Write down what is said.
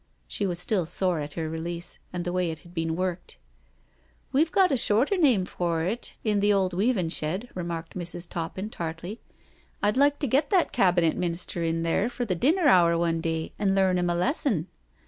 She was still sore at her release, and the way it had been worked. " We've got a shorter name for it in the old weavin' shed," remarked Mrs, Toppin tartly. "I'd like to get that Cabinet Minister in there for the dinner hour one day and learn him a lesson.'